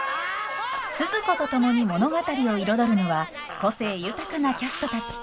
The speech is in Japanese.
スズ子と共に物語を彩るのは個性豊かなキャストたち。